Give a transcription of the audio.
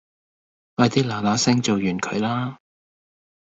快啲拿拿聲做完佢啦